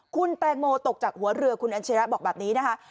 คุณแตงโมตกจากหัวเรือคุณอัจฉริยะบอกแบบนี้นะคะ